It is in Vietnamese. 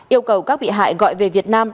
yêu cầu các bị hại gọi về việt nam